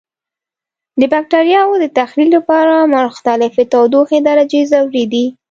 د بکټریاوو د تخریب لپاره مختلفې تودوخې درجې ضروري دي.